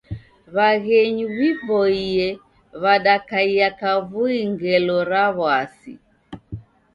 W'aghenyu w'iboie w'adakaia kavui ngelo ra w'asi.